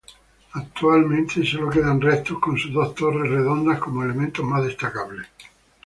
Actualmente sólo quedan restos, con sus dos torres redondas como elemento más destacable.